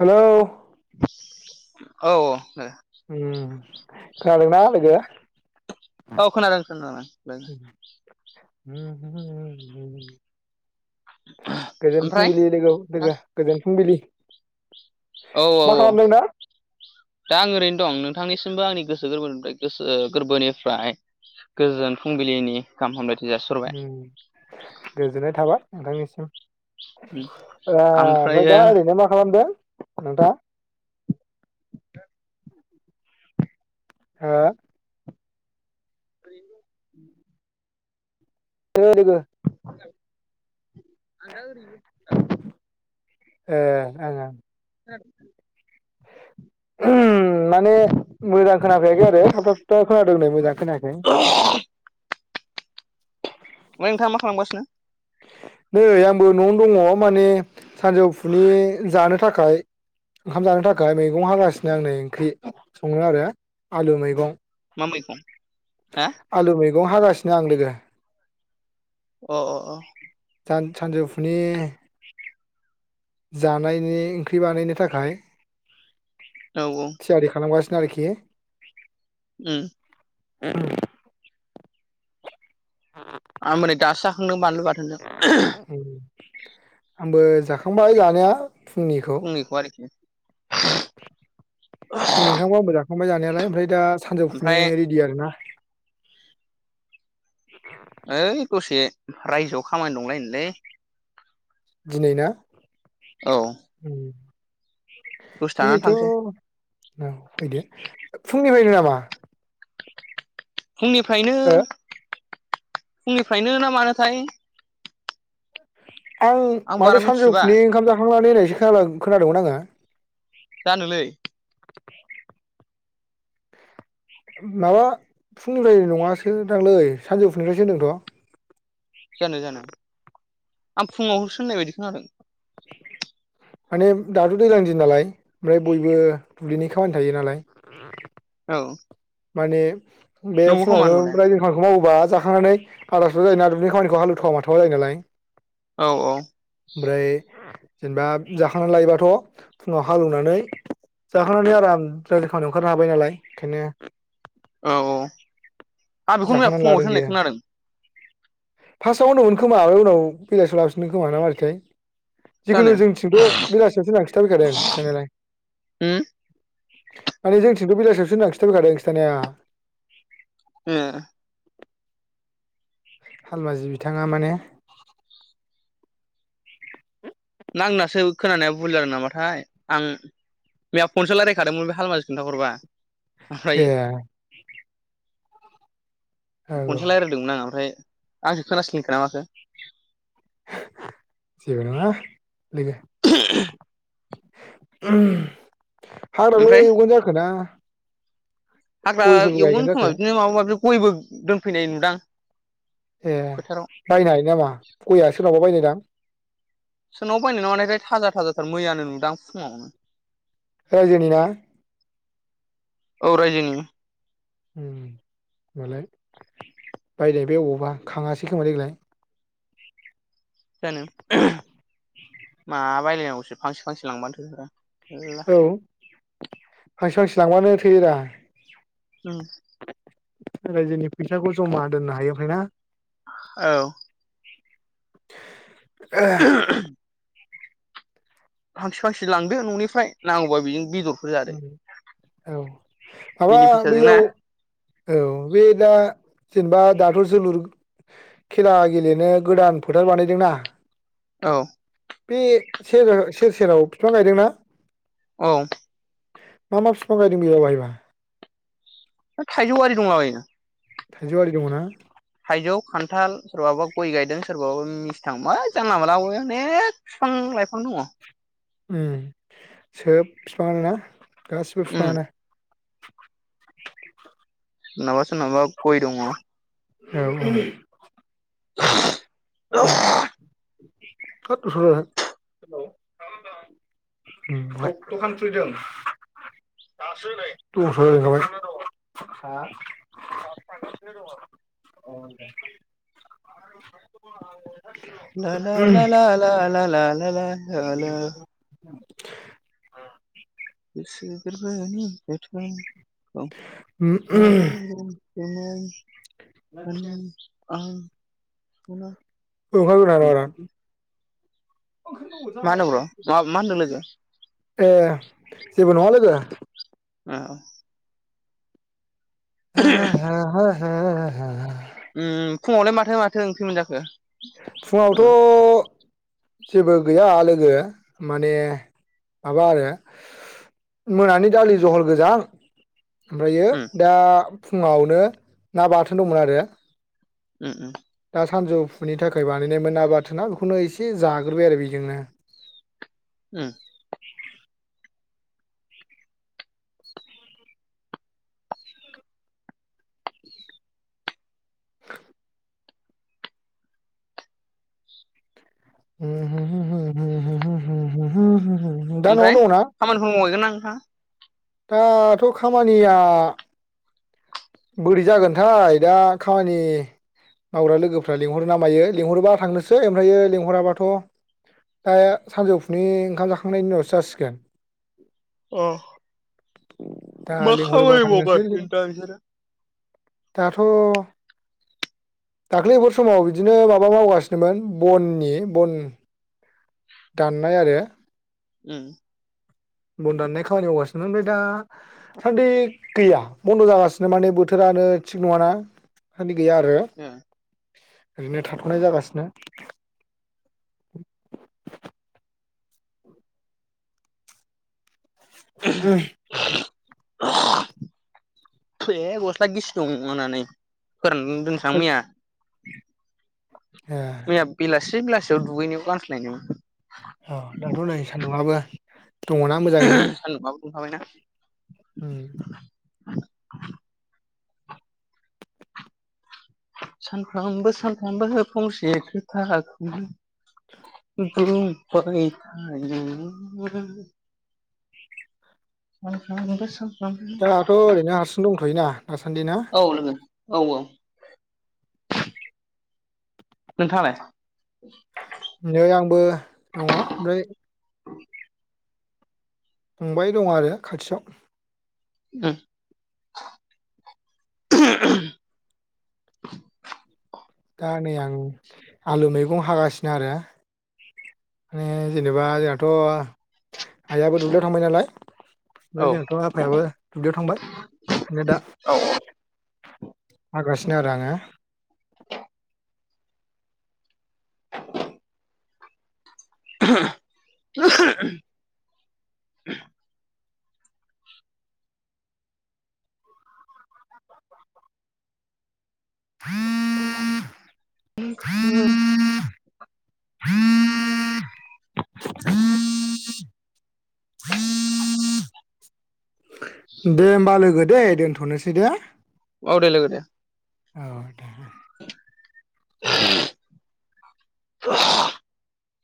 Hello! औ उम खोनादों ना लोगो? औ खोनादों खोनादों। लोगो। ह [unintelligible] ह [unintelligible] गोजोन ओमफ्राय फुंबिलि नोंथां लोगो-लोगो गोजोन फुंबिलि औ औ मा औ खालामदों दा? दा आं ओरैनो दं नोंथांनि आंनि गोसो गोरबोनिफ्राय गोसो गोरबोनिफ्राय गोजोन फुंबिलिनि गाहाम हामब्लाय गोजोननाय थाबाय। नोंथांनिसिम। ओ ओमफ्राय ओमफ्रायो दा ओरैनो मा खालामदों नोंथाङा? हो? ब [unintelligible] [inaudible] [inaudible] दङो दङो म [inaudible] आंगा [unintelligible] ए ओं ओं खोनादों ना ओहह माने मोजां खोनाफैयाखै आरो थाबथाब थाबथा खोनादों नै मोजां खोनायाखै। ओमफ्राय ओमफाय नोंथाङा मा खालामगासिनो नै आंबो नवावनो दङ माने सानजौफुनि जानो थाखाय ओंखाम जानो थाखाय मैगं हागासिनो आं नै ओंख्रि सङो आरो आलु मैगं मा मैगं हा गं हागासिनो आं लोगो अ अ अ सान सानजौफुनि जानायनि ओंख्रि बानायनो थाखाय औ औ थियारि खालामगासि गारोखि उम [inaudible] आमबोनै दासो खंदों बानलु बाथोनजों [inaudible] आंबो जाखांबाय जानाया फुंनिखौ आरोखि फुंनिओंखामखौ आवबो जा खांबाय जानायालाय ओमफ्राय दा सानजौफुनि ओमफ्राय रिदि आरो ना। [inaudible] ओइ दसे रायजोआव खामानि दंलायन दिनै ना? औ दसे थानानै दिनैथ थांसै ना फैदो फुंनिफायनो नामा? फुंनिफ्रायनो ओ फुंनिफ्रायनो ना मानोथाय आं बारा माथो सानजौ मिथिजोबा फुनिओंखाम जाखांनान नायनायसो खोनादों खोनादोंमोन आङो। जानोलै माबा फुंनिफ्राय नङासो दांलै सानजौ फुंनिफायसो होनदोंथ' जानो-जानो आं फुङाव होसोननाय बायदि खोनादों। माने दाथ' दैज्लां दिन नालाय फ्राय बयबो दुब्लिनि खामानि थायो नालाय। औ माने बे नंगौ खोमा फुङावनो होनबालाय रायजोनिखौ मावोबा- जाखांनानै आदारथ जायो ना दुब्लिनि खामानिखौ हालौथावा माथावा जायो नालाय। औ औ ब्राय जेनबा जाखांनानै लायोबाथ फुङाव हालोवनानै जाखांनानै आराम जोलदि खामानियाव ओंखारनो हाबाय नालाय खायनो। औ औ आ बेखौनो मैया फुङावसो होननाय खोनादों फासाआव होनदोंमोनखोमा ओमफाय उनाव फैगासेआव लाफिनदोंखोमा ना मारैथाय। जानो जिखुनु जोंथिंथ बेलासियावसो होना खिथाफैखादोंं खिन्थानायालाय। उम माने जोंथिंथ बेलासियावसोहोनना खिथाफैखादों खि थानाया उम हालमाजि बिथाङा माने ना आंनासो खोनानाया बुल जादों नामाथाय आं मैया फनसो रायज्लायखादोंमोन बे हालमाजि खिन्थाहरबा। ऐ। फनसो रालायदोंमोन आं ओमफ्राय। आंसो खोनास्लिंखोना माखो। जेबो नंङा लोगो [inaudible] उम हाग्राल' ओमफ्राय एवगोन जाखो ना हाग्रा गयफोरबो एवगोन गायगोन खोमा जाखो। बिदिनो माबा माबि गयबो दोनफैनाय नुदां ए फोथाराव बायनाय नामा गयया सोरनावबा बायनाय [unintelligible] सोरनावबा बायनाय ना मानायथाय थाजा थाजा मैयानो नुदां फुङावनो। राज्योनि ना? औ राज्योनि ओम मालाय बायनाय बे अबावबा खाङासै खोमा देग्लाय। जानो [unintelligible] मा बायलायनांगौसै फांसे फांसे लांबानो थोथारो । मेल्ला औ फांसे फांसे लांबानो थोयोरा। उम राज्योनि फैसाखौ जमा दोननो हायो ओमफ्राय ना औ [inaudible] फांसे फांसे लांदो न'निफ्राय नांगौबा बेजों बेदर उम औ माबा बेनि फैसाजों ना बैयाव औ बे दा जेनेबा दाथ जोलुर खेला गेलेनो गोदान फोथार बानायदोंना औ बे सेर सेर सेराव फिफां गायदोंना । औ मा मा फिफां गायदोंं बेयावहायबा? थाइजौआरि दंलाबायोनो। थाइजौआरि दङो ना थाइजौ खान्थाल सोरबाबा गय गायदों सोरबाबा मिस्थां मा जानला मोनला अनेख बिफां लाइफां दङ। उम सोब फिफाङानो ना गासिबो फिफाङानो [inaudible] सोरनाबा सोरनाबा गय दङ। औ औ [unintelligible] हेल' [unintelligible] उम [unintelligible] दखान खुलिदों दासो नै [unintelligible] दङ हा दासो थांगासिनो दं अ दे । [unintelligible] ला ला थोद दस्रा ला ला गोसो गोरबोनि बोथोनखौ [unintelligible] [unintelligible] [unintelligible] आं खौनो [unintelligible] मा होनो ब्र' मा मा होनदों लोगो [inaudible] जेबो नङा लोगो। औ। [unintelligible] [unintelligible] उम फुङावलाय माथो माथो ओंख्रि मोनजाखो? लोगो फुंङावथ' जेबो गैया लोगो माने माबा आरो मोनानि दालि जहल गोजां। ओमफायो उम दा फुङावनो ना बाथोन दंमोन आरो। उम दा सानजौफुनि थाखाय बानायनायमोन ना बाथोना बेखौनो एसे जाग्रोबाय आरो बेजोंनो। उम। [inaudible] [inaudible] [unintelligible] दा न'आव ओमफ्राय दङ'ना? खामानिफोर [unintelligible] दाथ' खामानिया बोरै जागोनथाय दा खामानि मावग्रा लोगोफ्रा लिंहरो ना मायो लिंहरोबा थांनोसै ओमफ्रायो लिंहराबाथ' दा सानजौफुनि ओंखाम जाखांनायनि उनावसो जासिगोन। अह। दा लिंहरोबा थांनोसै मावगासिनो दा नोंसोरो? दाथ' दाख्लैफोर समाव बिदिनो माबा मावगासिनोमोन बननि बन दाननाय आरो। उम बन दाननाय खामानि मावगासिनो। ओमफ्राय दा सान्दि गैया बन्द' जागासिनो माने बोथोरानो थिग नङाना। गैया आरो उम ओरैनो थाथ'नाय जागासिनो। [unintelligible] [unintelligible] एह गस्ला गिसि दंमोन आनै। फोरान दोनसां मैया। [inaudible] मोया बिलासि बिलासि दुगैनायाव गानस्लायनो औ दाथ' नै सान्दुंआबो दङना मोजाङैनो? सान्दुंआबो दुंखाबायना? ओम [unintelligible] सानफ्रामबो सानफ्रामबो फंसे खोथाखौनो बुंबाय थायो सानफ्रामबो सानफ्रामबो दाथ' ओरैनो हारसिं दंथ'योना? दासान्दि ना? औ लोगो औ औ नोंथाङालाय? नै आंबो दङ ओमफ्राय फंबाय दं आरो खाथियाव। ओं दा नै आं आलु मैगं हागासिनो आरो माने जेनेबा जोंहाथ' आइयाबो दुब्लियाव थांबाय नालाय, औ ओमफ्राय जोंहाथ' आफायाबो दुब्लियाव थांबाय फ्राय दा हागासिनो आरो आङो [inaudible] [unintelligible] [unintelligible] [unintelligible] [unintelligible] [unintelligible] [unintelligible] दे होमबा लोगो। दे दोनथ'नोसै दे! औ दे लोगो दे। औ दे। [unintelligible]